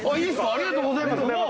ありがとうございます。